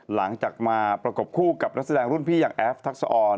หลังจากมาประกบคู่กับนักแสดงรุ่นพี่อย่างแอฟทักษะออน